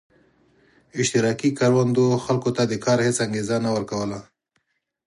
اشتراکي کروندو خلکو ته د کار هېڅ انګېزه نه ورکوله.